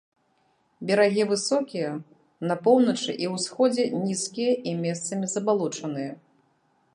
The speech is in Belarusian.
Берагі высокія, на поўначы і ўсходзе нізкія і месцамі забалочаныя.